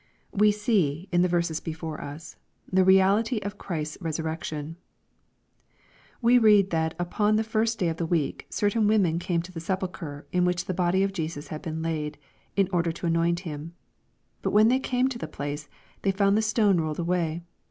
We see, in the verses before us, the reality of Qhriat s resurrection. We read, that upon " the first day of the weel^' certain women came to the sepulchre in which the^ body of Jesus had been laid, in order to anoint Him. But when they came to the place, ^' they found the stone rolled away.